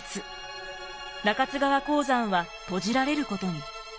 中津川鉱山は閉じられることに。